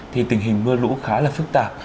thì tình hình mưa lũ khá là phức tạp